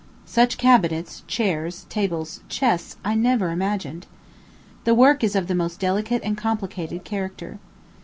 Such cabinets, chairs, tables, chests, I never imagined. The work is of the most delicate and complicated character.